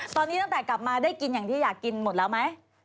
ตอนนี้ตั้งแต่กลับมาได้กินอย่างที่อยากกินหมดแล้วไหม